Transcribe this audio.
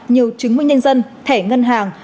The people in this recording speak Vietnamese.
nhiều chứng minh nhân dân thẻ ngân hàng